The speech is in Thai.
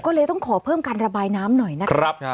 ก็เลยต้องขอเพิ่มการระบายน้ำหน่อยนะครับ